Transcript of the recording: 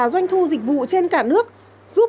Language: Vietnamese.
doanh thu dịch vụ trên cả nước giúp